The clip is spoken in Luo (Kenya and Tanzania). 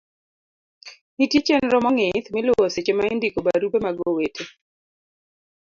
nitie chenro mong'ith miluwo seche ma indiko barupe mag owete